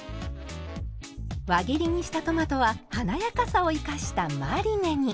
輪切りにしたトマトは華やかさを生かしたマリネに。